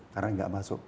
karena gak masuk